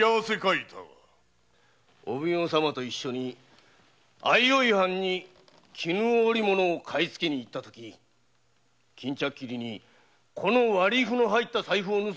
お奉行様と相生藩に絹織物を買いつけに行ったときすりにこの割符の入った財布を盗まれてしまった。